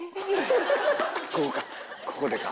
ここでか。